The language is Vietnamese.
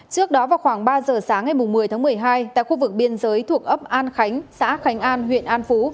trước đó vào khoảng ba giờ sáng ngày một mươi tháng một mươi hai tại khu vực biên giới thuộc ấp an khánh xã khánh an huyện an phú